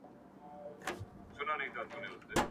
زه به سبا ونې ته اوبه ورکړم؟